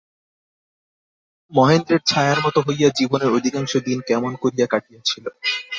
মহেন্দ্রের ছায়ার মতো হইয়া জীবনের অধিকাংশ দিন কেমন করিয়া কাটিয়াছিল।